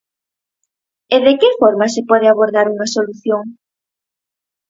E de que forma se pode abordar unha solución?